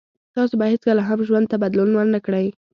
تاسو به هیڅکله هم ژوند ته بدلون ور نه کړی